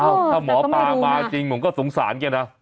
แต่ไม่รู้นะเออแต่ก็ไม่รู้ถ้าเหมาะมาจริงเกี๊ยวนะ